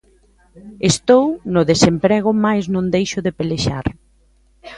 Estou no desemprego mais non deixo de pelexar.